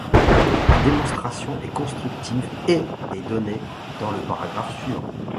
La démonstration est constructive et est donnée dans le paragraphe suivant.